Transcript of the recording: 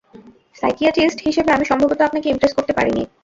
Psychiatrist হিসেবে আমি সম্ভবত আপনাকে ইমপ্রেস করতে পারি নি!